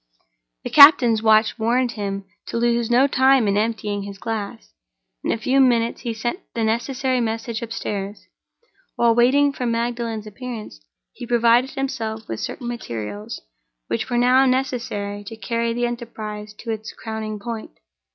The captain's watch warned him to lose no time in emptying his glass. In a few minutes he sent the necessary message upstairs. While waiting for Magdalen's appearance, he provided himself with certain materials which were now necessary to carry the enterprise to its crowning point.